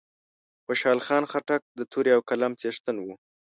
خوشحال خان خټک د تورې او قلم څښتن وو